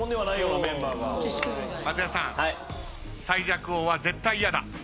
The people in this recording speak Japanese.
最弱王は絶対嫌だ？